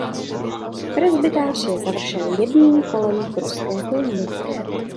Presbytář je završen jedním polem pruské klenby.